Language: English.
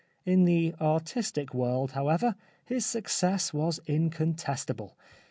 In the artistic world, however, his success was incontestable.